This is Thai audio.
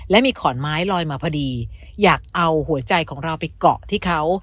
และมีขอนไม้ลอยมาพอดีอยากเอาหัวใจของเราไปเกาะที่เขา